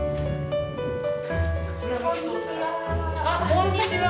こんにちは。